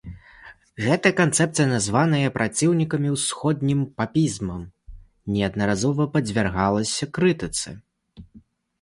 Гэта канцэпцыя, названая яе праціўнікамі ўсходнім папізмам, неаднаразова падвяргалася крытыцы.